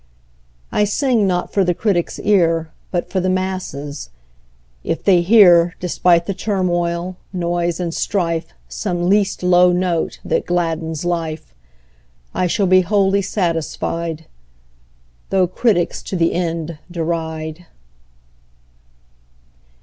I sing not for the critic's ear, But for the masses. If they hear Despite the turmoil, noise, and strife Some least low note that gladdens life, I shall be wholly satisfied, Though critics to the end deride.